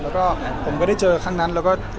แล้วก็ผมก็ได้เจอครั้งนั้นแล้วก็